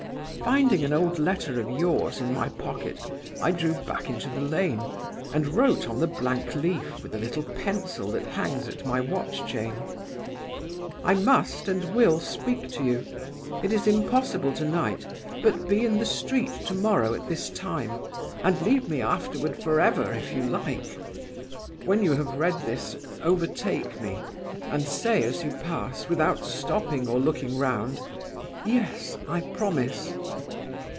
"Finding an old letter of yours in my pocket, I drew back into the lane, and wrote on the blank leaf, with the little pencil that hangs at my watch chain: 'I must and will speak to you. It is impossible to night, but be in the street to morrow at this time, and leave me afterward forever, if you like. When you have read this, overtake me, and say as you pass, without stopping or looking round, "Yes, I promise."